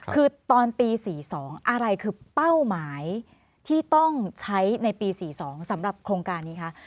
คือตอนปี๔๒อะไรคือเป้าหมายที่ต้องใช้ในปี๔๒สำหรับโครงการนี้คะ